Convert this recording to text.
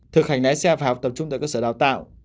thực hành lái xe phải học tập trung tại cơ sở đào tạo